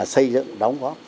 xây dựng đóng góp